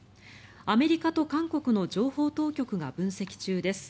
アメリカと韓国の情報当局が分析中です。